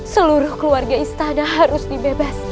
seluruh keluarga istana harus dibebas